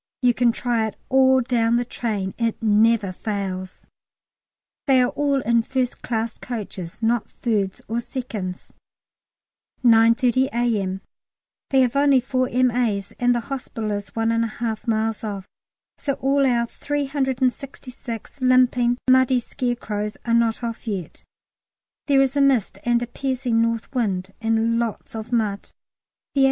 You can try it all down the train; it never fails. They are all in 1st class coaches, not 3rds or 2nds. 9.30 A.M. They have only four M.A.'s, and the hospital is 1 1/2 miles off, so all our 366 limping, muddy scarecrows are not off yet. There is a mist and a piercing north wind, and lots of mud. The A.